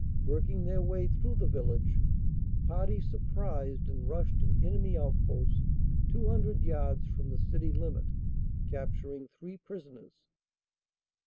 Working their way through the village, a party surprised and rushed an enemy outpost 200 yards from the city limit, capturing three prisoners.